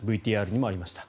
ＶＴＲにもありました。